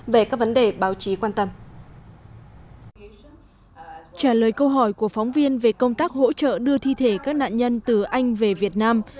về các vấn đề báo chí quan tâm